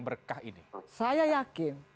berkah ini saya yakin